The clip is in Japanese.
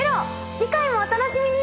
次回もお楽しみに！